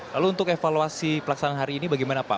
lalu untuk evaluasi pelaksanaan hari ini bagaimana pak